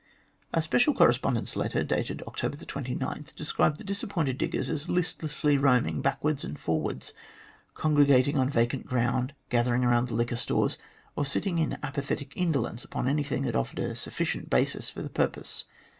A special correspondent's letter, dated October 29, described the disappointed diggers as listlessly roaming backwards and forwards, congregating on vacant ground, gathering around the liquor stores, or sitting in apathetic indolence upon anything that offered a sufficient basis for the purpose.